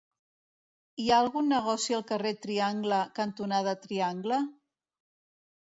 Hi ha algun negoci al carrer Triangle cantonada Triangle?